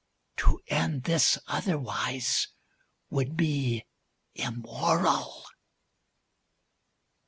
(To end this otherwise would be Immoral!)